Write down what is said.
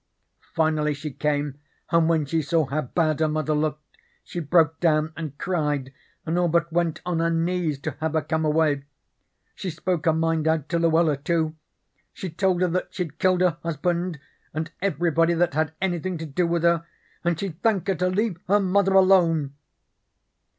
Finally she came, and when she saw how bad her mother looked, she broke down and cried and all but went on her knees to have her come away. She spoke her mind out to Luella, too. She told her that she'd killed her husband and everybody that had anythin' to do with her, and she'd thank her to leave her mother alone.